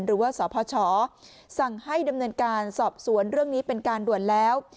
หรือว่าสพชสั่งให้ดำเนินการสอบสวนเรื่องนี้เป็นการด่วนแล้ว